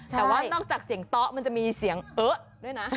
แต่ว่านอกจากเสียงโต๊ะมันจะมีเสียงเออะด้วยนะ